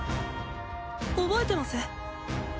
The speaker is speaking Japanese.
覚えてます？